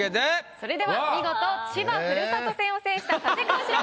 それでは見事千葉ふるさと戦を制した立川志らくさん